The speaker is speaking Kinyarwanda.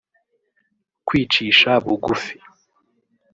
kwicisha bugufi